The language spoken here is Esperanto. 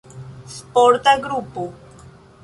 Sporta grupo.